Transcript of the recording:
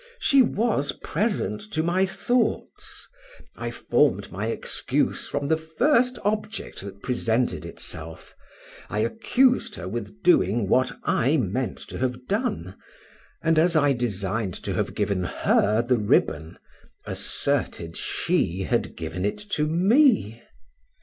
She was present to my thoughts; I formed my excuse from the first object that presented itself: I accused her with doing what I meant to have done, and as I designed to have given her the ribbon, asserted she had given it to me.